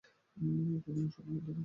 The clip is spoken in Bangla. এখানে আসুন, দেখুন।